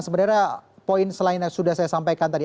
sebenarnya poin selain yang sudah saya sampaikan tadi